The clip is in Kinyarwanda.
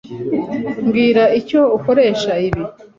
Mbwira icyo ukoresha ibi.